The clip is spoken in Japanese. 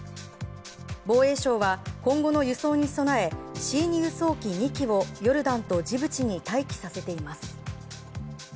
防衛省は今後の輸送に備えＣ２輸送機２機をヨルダンとジブチに待機させています。